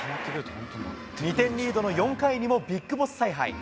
２点リードの４回にもビッグボス采配。